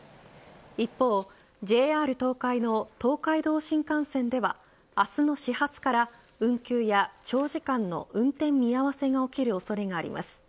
一方、ＪＲ東海の東海道新幹線では明日の始発から運休や長時間の運転見合わせが起きる恐れがあります。